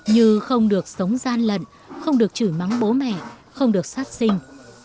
như không được sống gian lận không được chửi mắng bố mẹ không được sát sinh